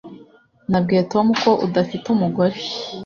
Nabwiye Tom ko udafite umugore